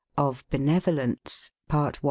OF BENEVOLENCE. PART I.